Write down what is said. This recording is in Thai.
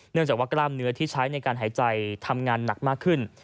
จากว่ากล้ามเนื้อที่ใช้ในการหายใจทำงานหนักมากขึ้น